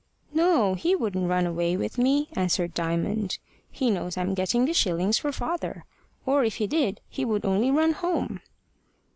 "No, he wouldn't run away with me," answered Diamond. "He knows I'm getting the shillings for father. Or if he did he would only run home."